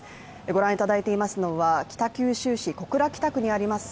ご覧いただいていますのは北九州市小倉北区にあります